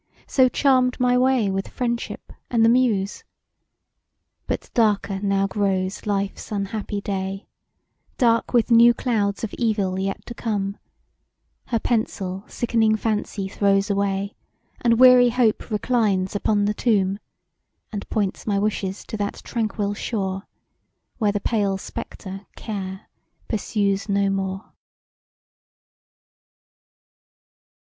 So charm'd my way with Friendship and the Muse. But darker now grows life's unhappy day, Dark with new clouds of evil yet to come, Her pencil sickening Fancy throws away, And weary Hope reclines upon the tomb; And points my wishes to that tranquil shore, Where the pale spectre Care pursues no more.